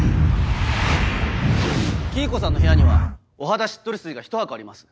黄以子さんの部屋には「お肌しっとり水」がひと箱あります。